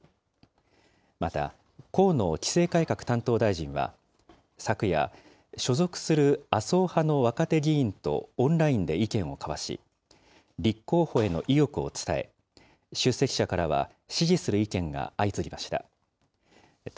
また、河野規制改革担当大臣は、昨夜、所属する麻生派の若手議員とオンラインで意見を交わし、立候補への意欲を伝え、出席者からは支持する意見が相次ぎました。